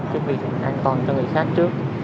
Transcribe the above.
trước việc an toàn cho người khác trước